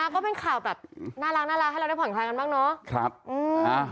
ก็เป็นข่าวแบบน่ารักให้เราได้ผ่อนคลายกันบ้างเนาะ